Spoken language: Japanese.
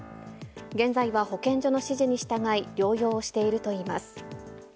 現在は保健所の指示に従い、療養をしているといいます。